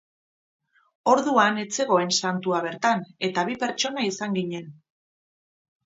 Orduan ez zegoen santua bertan, eta bi pertsona izan ginen.